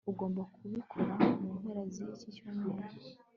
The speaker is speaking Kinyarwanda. ugomba kubikora mu mpera ziki cyumweru